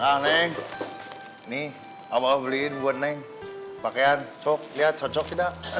nah neng nih abah beliin buat neng pakaian cok lihat cocok tidak